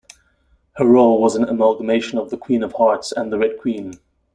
Her role was an amalgamation of The Queen of Hearts and The Red Queen.